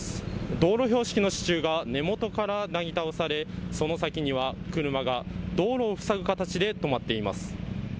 道路標識の支柱が根元からなぎ倒されその先には車が道路を塞ぐ形で止まっています。